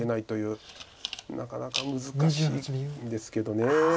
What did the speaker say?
なかなか難しいんですけど。